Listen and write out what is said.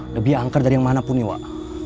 lebih angker dari yang manapun nih pak